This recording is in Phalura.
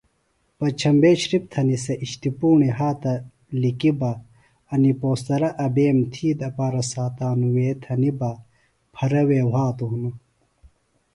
پچھمبے شِرپ تھنیۡ سےۡ اِشتیۡ پُوݨیۡ ہات لِکیۡ بہ انیۡ پوشترہ ابئیم تھی دپارہ ساتانوۡ وے تھنیۡ بہ پھرہ وے وھاتوۡ ہِنوۡ